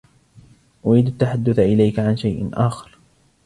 أريد التحدث اليك عن شيء آخر.